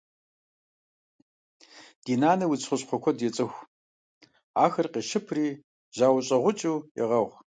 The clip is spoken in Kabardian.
Ди нанэ удз хущхъуэ куэд ецӀыху. Ахэр къещыпри жьауэщӀэгъукӀыу егъэгъу.